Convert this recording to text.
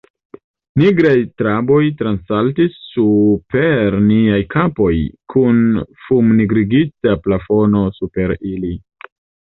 Nigraj traboj transsaltis super niaj kapoj, kun fumnigrigita plafono super ili...